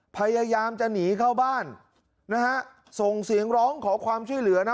พยายามจะหนีเข้าบ้านนะฮะส่งเสียงร้องขอความช่วยเหลือนะ